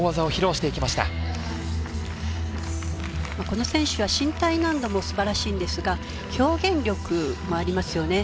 この選手は身体難度も素晴らしいんですが表現力もありますよね。